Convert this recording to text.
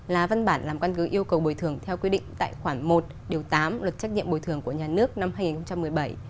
là văn bản làm căn cứ yêu cầu bồi thường theo quy định tại khoản một điều tám luật trách nhiệm bồi thường của nhà nước năm hai nghìn một mươi bảy